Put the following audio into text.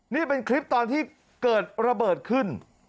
นี่เป็นคลิปตอนที่เกิดระเบิดขึ้น